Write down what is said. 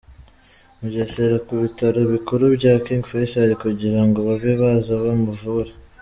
Mugesera ku bitaro bikuru bya King Faisal kugira ngo babe baza bamuvure.